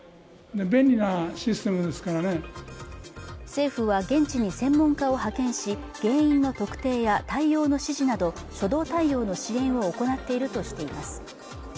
政府は現地に専門家を派遣し原因の特定や対応の指示など初動対応の支援を行っているとしています